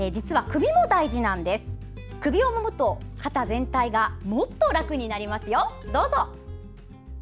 首をもむと肩全体がもっと楽になりますよ。